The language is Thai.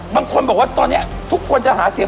บางคนบอกว่าตอนนี้ทุกคนจะหาเสียง